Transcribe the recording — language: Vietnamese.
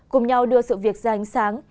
cùng nhau đưa sự việc ra ánh sáng